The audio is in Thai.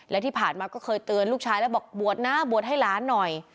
และที่ผ่านมาก็เคยเตือนลูกชายแล้วบอกบวชนะบวชให้หลานหน่อย